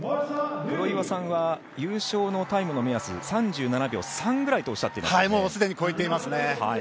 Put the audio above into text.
黒岩さんは優勝のタイムの目安３７秒３ぐらいとおっしゃっていました。